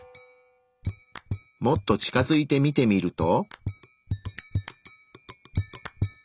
もっと近づいて見てみると。